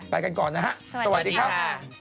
ไปกันก่อนนะฮะสวัสดีครับ